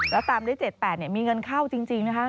แล้วตามด้วย๗๘มีเงินเข้าจริงนะคะ